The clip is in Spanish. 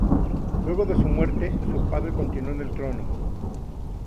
Luego de su muerte, su padre continuó en el trono.